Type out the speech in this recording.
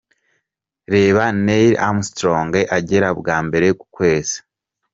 Reba Neil Armostrong agera bwa mbere ku kwezi:.